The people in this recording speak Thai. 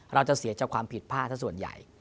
เราจะเสียจากความผิดพลาดสักส่วนใหญ่